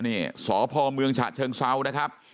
นี่สพเมืองฉะเชิงเซานะครับ